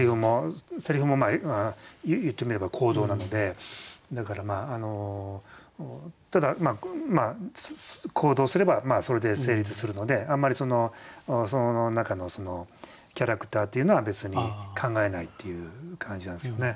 セリフも言ってみれば行動なのでだからただ行動すればそれで成立するのであんまりその中のキャラクターっていうのは別に考えないっていう感じなんですよね。